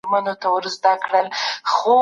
بې ځایه فکرونه نه پالل کېږي.